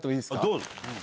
どうぞ。